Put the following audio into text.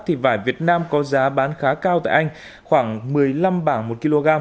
thì vải việt nam có giá bán khá cao tại anh khoảng một mươi năm bảng một kg